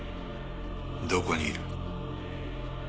どこにいる？